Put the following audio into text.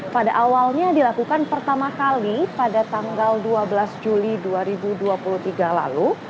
pada awalnya dilakukan pertama kali pada tanggal dua belas juli dua ribu dua puluh tiga lalu